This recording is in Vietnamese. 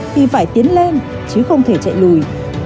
thì phải tiến lên chứ không thể chạy lùi